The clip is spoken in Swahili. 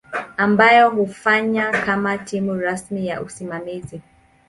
ambayo hufanya kama timu rasmi ya usimamizi.